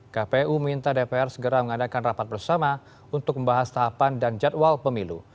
kpu minta dpr segera mengadakan rapat bersama untuk membahas tahapan dan jadwal pemilu